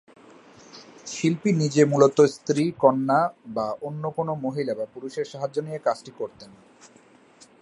শিল্পী নিজে মূলত স্ত্রী-কন্যা বা অন্য কোনো মহিলা বা পুরুষের সাহায্য নিয়ে কাজটি করতেন।